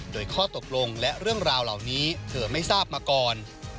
โดยข้อตกลงและเรื่องราวเหล่านี้เธอไม่ทราบมาก่อน